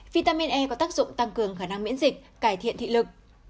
vitamin e có tác dụng tăng cường khả năng miễn dịch cải thiện thị lực